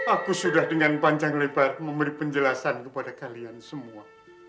aku sudah dengan panjang lebar memberi penjelasan kepada kalian semua